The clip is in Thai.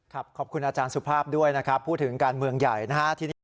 ขอบคุณอาจารย์สุภาพด้วยนะครับพูดถึงการเมืองใหญ่นะฮะ